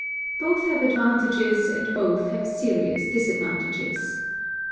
Both have advantages and both have serious disadvantages.